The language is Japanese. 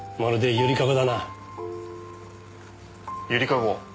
ゆりかご？